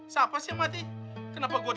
siapa sih mati kenapa gua di